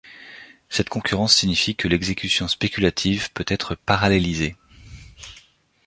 Cette concurrence signifie que l'exécution spéculative peut être parallélisée.